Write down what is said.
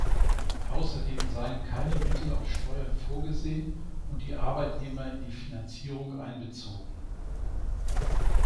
Ausserdem seien keine Mittel aus Steuern vorgesehen und die Arbeitnehmer in die Finanzierung einbezogen.